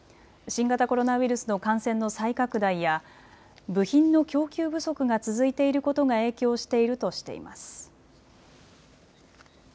新型コロナウイルスの感染の再拡大や部品の供給不足が続いていることが影響しているとしています。